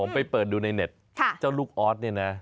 ไปเปิดดูในเน็ตเจ้าลูกออสเนี่ยนะ